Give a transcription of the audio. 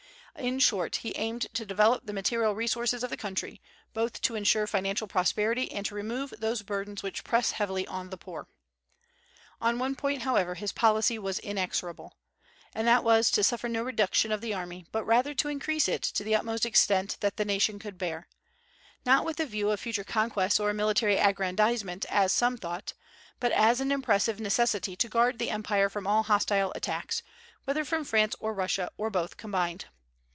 In short, he aimed to develop the material resources of the country, both to insure financial prosperity and to remove those burdens which press heavily on the poor. On one point, however, his policy was inexorable; and that was to suffer no reduction of the army, but rather to increase it to the utmost extent that the nation could bear, not with the view of future conquests or military aggrandizement, as some thought, but as an imperative necessity to guard the empire from all hostile attacks, whether from France or Russia, or both combined.